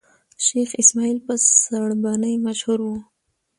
شېخ اسماعیل په سړبني مشهور وو.